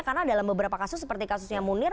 karena dalam beberapa kasus seperti kasusnya munir